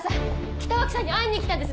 北脇さんに会いに来たんです